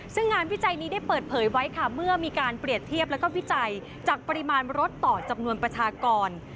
ซึ่งงานวิจัยนี้ได้เปิดเผยไว้ค่ะเมื่อมีการเปรียบเทียบแล้วก็วิจัยจากปริมาณรถต่อจำนวนประชากร